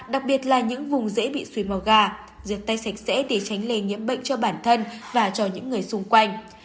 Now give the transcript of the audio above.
đặc biệt là những vùng dễ bị suối màu gà giữ tay sạch sẽ để tránh lề nhiễm bệnh cho bản thân và cho những người xung quanh